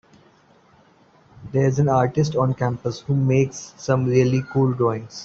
There’s an artist on campus who makes some really cool drawings.